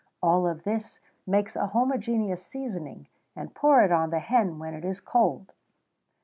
Of all this make a homogeneous seasoning, and pour it on the hen when it is cold.